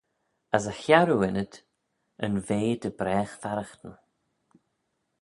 As y chiarroo ynnyd, yn vea dy bragh farraghtyn.